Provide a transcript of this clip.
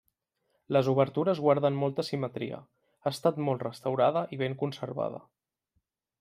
Les obertures guarden molta simetria, ha estat molt restaurada i ben conservada.